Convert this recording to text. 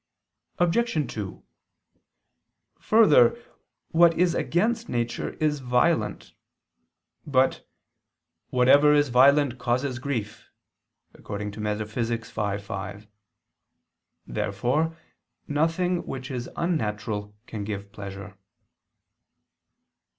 Obj. 2: Further, what is against nature is violent. But "whatever is violent causes grief" (Metaph. v, 5). Therefore nothing which is unnatural can give pleasure.